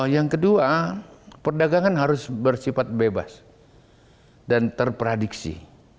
yang kedua perdagangan harus bersifat bebas dan terprediksi